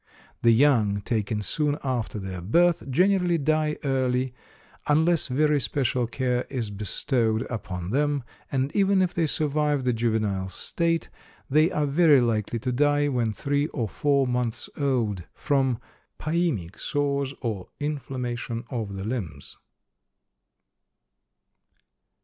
The young taken soon after their birth generally die early, unless very special care is bestowed upon them, and even if they survive the juvenile state, they are very likely to die when three or four months old, from pyaemic sores or inflammation of the limbs.